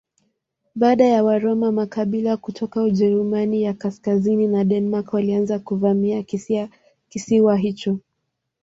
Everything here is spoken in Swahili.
Baada ya Waroma makabila kutoka Ujerumani ya kaskazini na Denmark walianza kuvamia kisiwa hicho.